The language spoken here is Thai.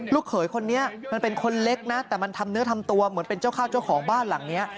เขยคนนี้มันเป็นคนเล็กนะแต่มันทำเนื้อทำตัวเหมือนเป็นเจ้าข้าวเจ้าของบ้านหลังนี้